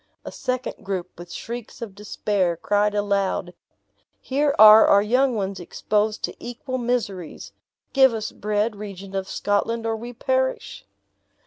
A second group, with shrieks of despair, cried aloud, "Here are our young ones exposed to equal miseries. Give us bread, Regent of Scotland, or we perish!"